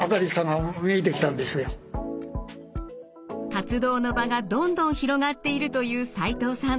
活動の場がどんどん広がっているという齋藤さん。